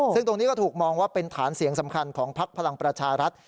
ซึ่งตรงนี้ก็ถูกมองว่าเป็นฐานเสียงสำคัญของพักพลังประชารัฐ